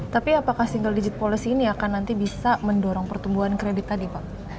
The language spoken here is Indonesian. tapi apakah single digit policy ini akan nanti bisa mendorong pertumbuhan kredit tadi pak